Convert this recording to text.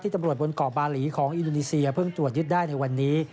ตำรวจบนเกาะบาหลีของอินโดนีเซียเพิ่งตรวจยึดได้ในวันนี้